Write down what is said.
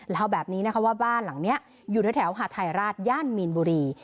เล่าแบบนี้นะคะว่าบ้านหลังนี้อยู่แถวหาทัยราชย่านมีนบุรี